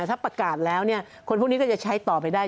แต่ถ้าประกาศแล้วคนพวกนี้ก็จะใช้ต่อไปได้